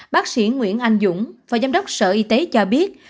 bác sĩ nguyễn anh dũng phó giám đốc sở y tế cho biết